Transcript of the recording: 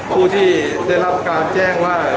ผู้ที่ได้รับการแจ้งว่า